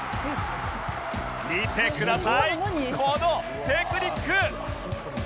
見てくださいこのテクニック！